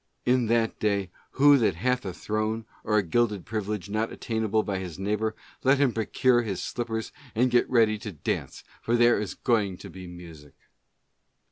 In that day, who that hath a throne, or a gilded privilege not attainable by his neighbor, let him procure him slippers and get ready to dance, for there is going to be music.